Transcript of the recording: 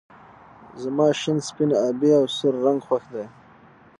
زما شين سپين آبی او سور رنګ خوښ دي